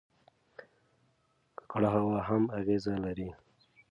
ککړه هوا هم اغېز لري.